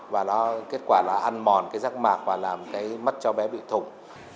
và nó kết quả là ăn mòn cái răng mặt và làm cái mắt cho bé bị thủng